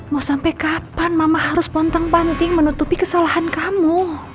mau sampai kapan mama harus pontang panting menutupi kesalahan kamu